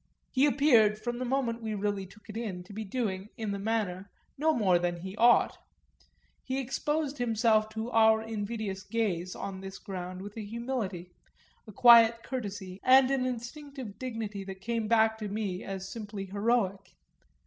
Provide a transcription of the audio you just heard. He appeared, from the moment we really took it in, to be doing, in the matter, no more than he ought; he exposed himself to our invidious gaze, on this ground, with a humility, a quiet courtesy and an instinctive dignity that come back to me as simply heroic.